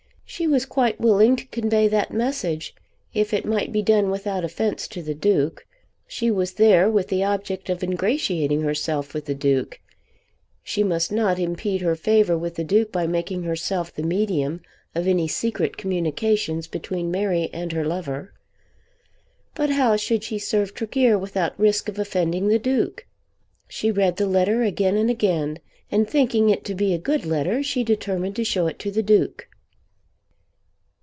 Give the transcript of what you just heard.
She was quite willing to convey that message, if it might be done without offence to the Duke. She was there with the object of ingratiating herself with the Duke. She must not impede her favour with the Duke by making herself the medium of any secret communications between Mary and her lover. But how should she serve Tregear without risk of offending the Duke? She read the letter again and again, and thinking it to be a good letter she determined to show it to the Duke.